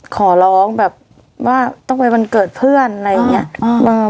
ขอร้องแบบว่าต้องไปวันเกิดเพื่อนอะไรอย่างนี้